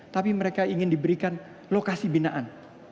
tapi mereka ingin diberikan lokasi binaan